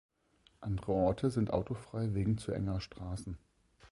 Andere Orte sind autofrei wegen zu enger Straßen.